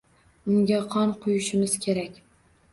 Unga qon quyishimiz kerak